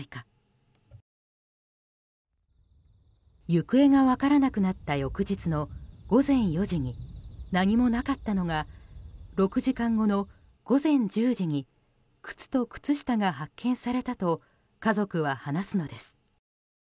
行方が分からなくなった翌日の午前４時に何もなかったのが６時間の午前１０時に靴と靴下が発見されたと家族は話すのです。